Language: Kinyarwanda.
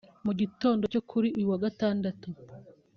Mu gitondo cyo kuri uyu wa Gandatatu